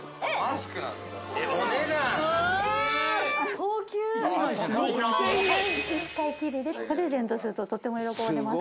高級・１回きりでプレゼントするととても喜ばれます